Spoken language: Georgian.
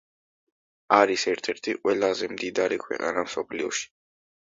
არის ერთ-ერთი ყველაზე მდიდარი ქვეყანა მსოფლიოში.